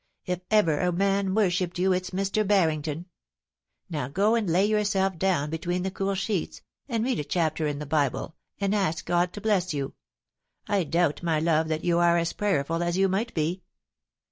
If ever a man worshipped you, it's Mr. Barrington. Now, go and lay yourself down between the cool sheets, and read a chapter in the Bible, and ask God to bless you. I doubt, my love, that you are as prayerful as you might be.'